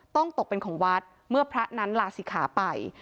ตกเป็นของวัดเมื่อพระนั้นลาศิกขาไป